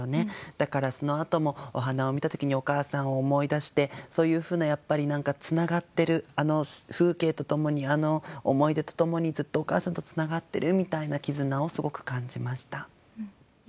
だからそのあともお花を見た時にお母さんを思い出してそういうふうなつながってるあの風景とともにあの思い出とともにずっとお母さんとつながってるみたいな絆をすごく感じました。